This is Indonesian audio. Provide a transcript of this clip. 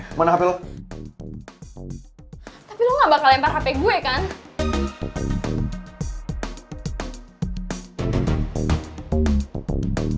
telepon aja temen kalian terus kasih tau kita kejebak dalam lift bisa kan